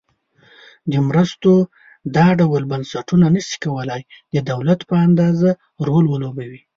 د مرستو دا ډول بنسټونه نشي کولای د دولت په اندازه رول ولوبوي.